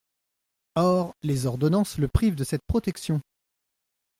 Or les ordonnances le privent de cette protection.